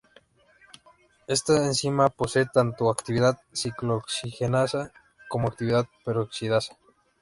Esta enzima posee tanto actividad ciclooxigenasa como actividad peroxidasa.